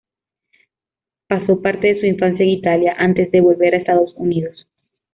Pasó parte de su infancia en Italia, antes de volver a Estados Unidos.